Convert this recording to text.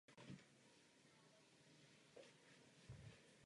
Uvádí se jako profesor.